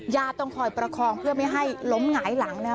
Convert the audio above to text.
ต้องคอยประคองเพื่อไม่ให้ล้มหงายหลังนะครับ